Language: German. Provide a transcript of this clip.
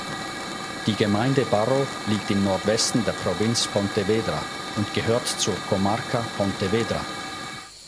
Die Gemeinde Barro liegt im Nordwesten der Provinz Pontevedra und gehört zur Comarca Pontevedra.